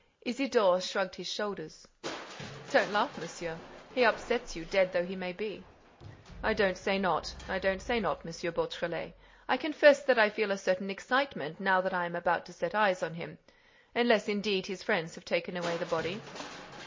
Isidore shrugged his shoulders: "Don't laugh, monsieur. He upsets you, dead though he may be." "I don't say not, I don't say not, M. Beautrelet, I confess that I feel a certain excitement now that I am about to set eyes on him—unless, indeed, his friends have taken away the body."